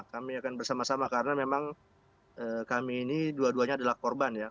kami akan bersama sama karena memang kami ini dua duanya adalah korban ya